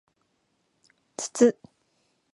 つつ